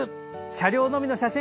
車両のみの写真！